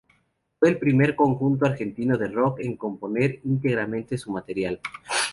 Fue el primer conjunto argentino de rock en componer íntegramente su material.